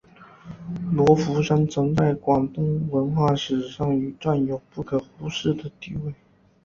罗浮山曾经在广东文化史上占有不可忽视的地位。